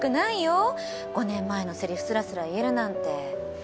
５年前の台詞すらすら言えるなんて。